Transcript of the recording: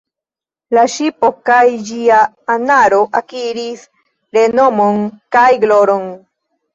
La ŝipo kaj ĝia anaro akiris renomon kaj gloron.